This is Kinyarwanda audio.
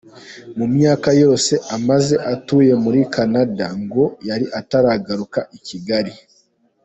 Mu myaka yose amaze atuye muri Canada ngo yari ataragaruka i Kigali.